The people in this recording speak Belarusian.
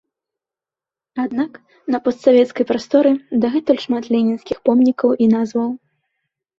Аднак, на постсавецкай прасторы дагэтуль шмат ленінскіх помнікаў і назваў.